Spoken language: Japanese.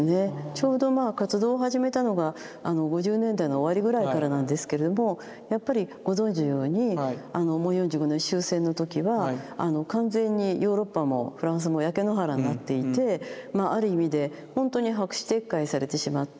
ちょうどまあ活動を始めたのが５０年代の終わりぐらいからなんですけれどもやっぱりご存じのように４５年終戦の時は完全にヨーロッパもフランスも焼け野原になっていてある意味でほんとに白紙撤回されてしまった。